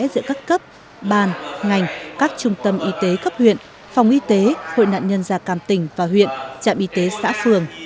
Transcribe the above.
giữa các cấp ban ngành các trung tâm y tế cấp huyện phòng y tế hội nạn nhân gia cam tỉnh và huyện trạm y tế xã phường